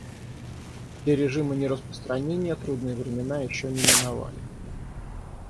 Для режима нераспространения трудные времена еще не миновали.